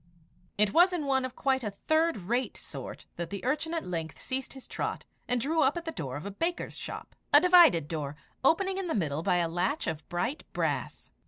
It was in one of quite a third rate sort that the urchin at length ceased his trot, and drew up at the door of a baker's shop a divided door, opening in the middle by a latch of bright brass.